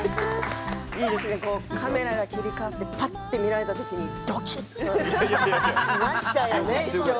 いいですね、カメラが切り替わってぱっと見られた時どきっとしましたよね。